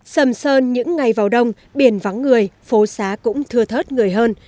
sầm sơn những ngày vào đông biển vắng người phố xá cũng thưa thớt người hơn